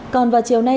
còn vào chiều nay